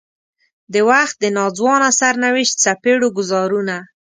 د وخت د ناځوانه سرنوشت څپېړو ګوزارونه.